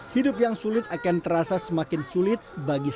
hidup yang sulit akan terasa semakin sulit bagi siswa